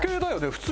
普通。